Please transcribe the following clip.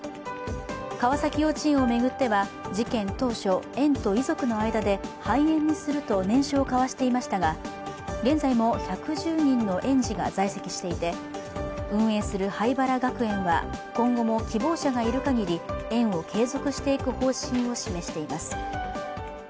川崎幼稚園を巡っては事件当初、園と遺族の間で廃園にすると念書を交わしていましたが現在も１１０人の園児が在籍していて運営する榛原学園は今後も希望者がいる限り園を継続していく方針を示しています。